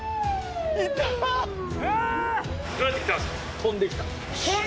飛んできた！？